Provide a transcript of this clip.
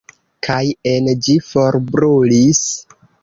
Kaj en ĝi forbrulis.